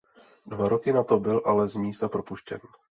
Dva roky nato byl ale z místa propuštěn.